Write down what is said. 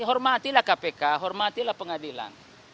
hormatilah kpk hormatilah pengadilan